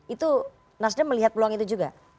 itu nasdem melihat peluang itu juga